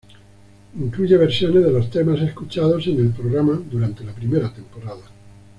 Incluye versiones de los temas escuchados en el programa durante la primera temporada.